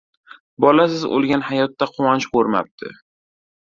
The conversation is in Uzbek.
• Bolasiz o‘lgan — hayotda quvonch ko‘rmabdi.